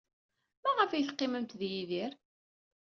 Maɣef ay teqqimemt ed Yidir?